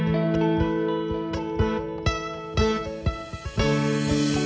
pengguna p turkish ben karim p puri